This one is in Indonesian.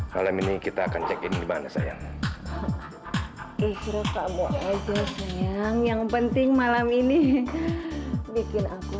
malam ini kita akan cek ini dimana sayang isro kamu aja sayang yang penting malam ini bikin aku